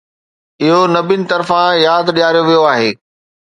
اهو نبين طرفان ياد ڏياريو ويو آهي.